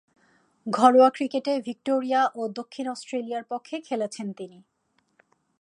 ঘরোয়া ক্রিকেটে ভিক্টোরিয়া ও দক্ষিণ অস্ট্রেলিয়ার পক্ষে খেলেছেন তিনি।